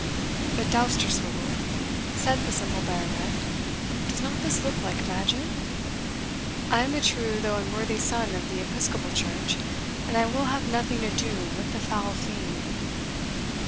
"But, Dousterswivel," said the simple Baronet, "does not this look like magic? I am a true though unworthy son of the Episcopal church, and I will have nothing to do with the foul fiend."